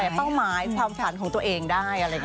เป้าหมายความฝันของตัวเองได้